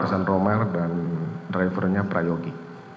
hasan romer dan drivernya prayogi